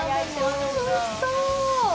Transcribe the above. おいしそう。